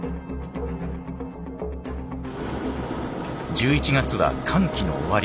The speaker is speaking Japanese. １１月は乾季の終わり。